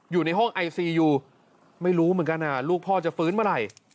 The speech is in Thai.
อยู่ในห้องไอซียูไม่รู้เหมือนกันลูกพ่อจะฟื้นเมื่อไหร่